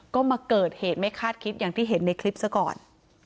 ก็มาเกิดเหตุไม่คาดคิดอย่างที่เห็นในคลิปซะก่อน